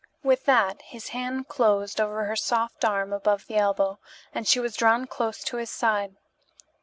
With that his hand closed over her soft arm above the elbow and she was drawn close to his side.